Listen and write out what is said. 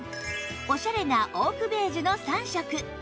オシャレなオークベージュの３色